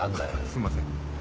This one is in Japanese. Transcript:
すんません。